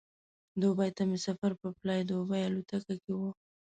دوبۍ ته مې سفر په فلای دوبۍ الوتکه کې و.